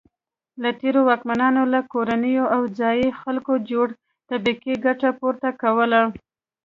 له تېرو واکمنانو له کورنیو او ځايي خلکو جوړې طبقې ګټه پورته کوله.